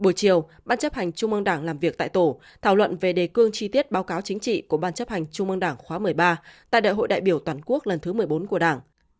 buổi chiều ban chấp hành trung ương đảng làm việc tại tổ thảo luận về đề cương chi tiết báo cáo chính trị của ban chấp hành trung ương đảng khóa một mươi ba tại đại hội đại biểu toàn quốc lần thứ một mươi bốn của đảng